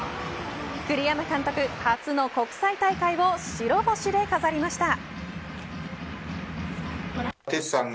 栗山監督、初の国際大会を白星で飾りました。